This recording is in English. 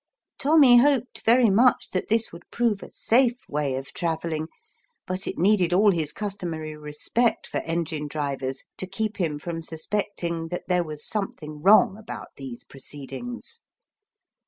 Tommy hoped very much that this would prove a safe way of travelling, but it needed all his customary respect for engine drivers to keep him from suspecting that there was something wrong about these pro ceedings.